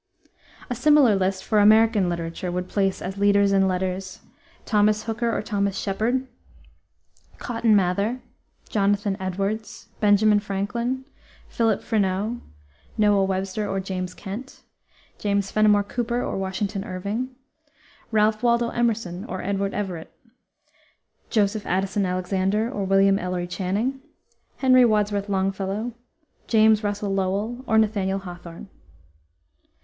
A similar list for American literature would place as leaders in letters: Thomas Hooker or Thomas Shepard, Cotton Mather, Jonathan Edwards, Benjamin Franklin, Philip Freneau, Noah Webster or James Kent, James Fenimore Cooper or Washington Irving, Ralph Waldo Emerson or Edward Everett, Joseph Addison Alexander or William Ellery Channing, Henry Wadsworth Longfellow, James Russell Lowell, or Nathaniel Hawthorne.